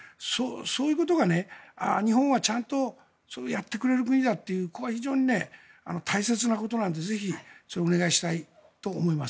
そういうことが日本はちゃんとやってくれる国だってここは非常に大切なことなのでぜひ、それはお願いしたいと思います。